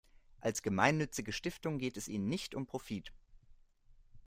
Als gemeinnützige Stiftung geht es ihnen nicht um Profit.